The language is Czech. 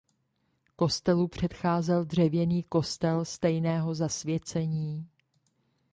Kostelu předcházel dřevěný kostel stejného zasvěcení.